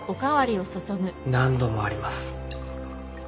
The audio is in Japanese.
何度もあります。